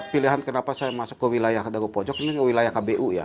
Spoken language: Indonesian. pilihan kenapa saya masuk ke wilayah dagopojok ini wilayah kbu ya